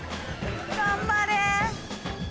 頑張れ。